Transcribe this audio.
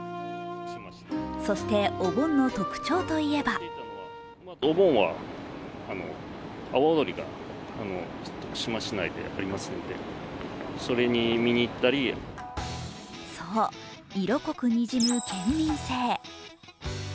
そして、お盆の特徴といえばそう、色濃くにじむ県民性。